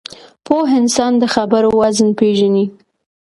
پوه انسان د خبرو وزن پېژني